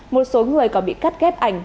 một số người còn bị cắt ghép ảnh